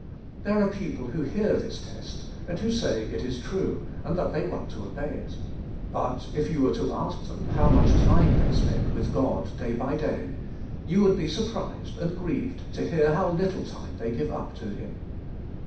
There are people who hear this test, and who say it is true, and that they want to obey it. But if you were to ask them how much time they spend with God day by day, you would be surprised and grieved to hear how little time they give up to Him.